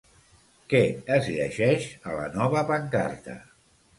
Què es llegeix a la nova pancarta?